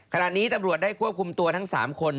ขณะนี้ตำรวจได้ควบคุมตัวทั้ง๓คน